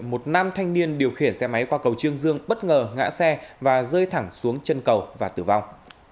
một nam thanh niên điều khiển xe máy qua cầu trương dương bất ngờ ngã xe và rơi thẳng xuống chân cầu và tử vong